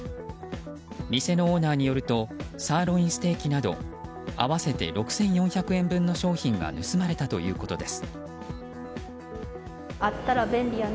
店のオーナーによるとサーロインステーキなど合わせて６４００円分の商品が盗まれたということです。